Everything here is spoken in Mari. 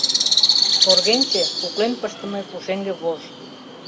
Шоргенче — куклен пыштыме пушеҥге вож.